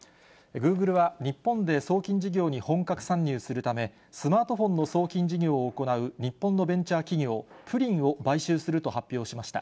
グーグルは、日本で送金事業に本格参入するため、スマートフォンの送金事業を行う日本のベンチャー企業、プリンを買収すると発表しました。